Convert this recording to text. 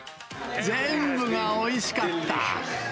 全部がおいしかった。